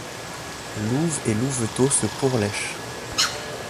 Louve et louveteau se pourlèchent.